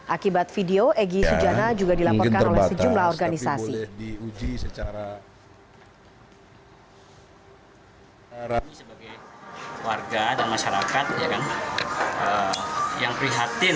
akibat video egy sujana juga dilaporkan oleh sejumlah organisasi